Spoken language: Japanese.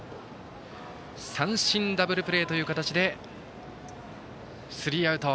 三振ダブルプレーという形でスリーアウト。